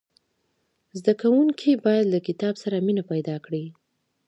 زدهکوونکي باید له کتاب سره مینه پیدا کړي.